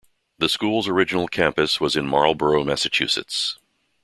The school's original campus was in Marlborough, Massachusetts.